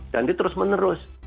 dan itu terus menerus